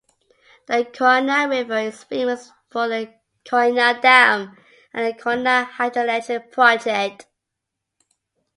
The Koyna River is famous for the Koyna Dam and the Koyna Hydroelectric Project.